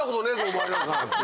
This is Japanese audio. お前なんかっていう。